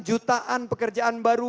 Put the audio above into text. jutaan pekerjaan baru